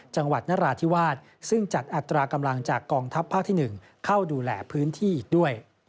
จังหวัดนราธิวาสซึ่งจัดอัตรากำลังจากกองทัพภาคที่๑เข้าดูแลพื้นที่อีกด้วย